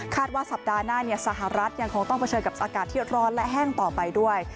ว่าสัปดาห์หน้าสหรัฐยังคงต้องเผชิญกับอากาศที่ร้อนและแห้งต่อไปด้วย